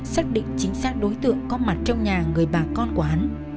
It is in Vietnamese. xác định chính xác đối tượng có mặt trong nhà người bà con của hắn